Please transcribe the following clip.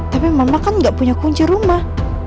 tapi mama kan gak punya kunci rumah